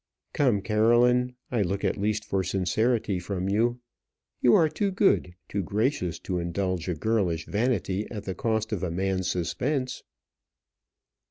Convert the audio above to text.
"Come, Caroline, I look at least for sincerity from you. You are too good, too gracious to indulge a girlish vanity at the cost of a man's suspense."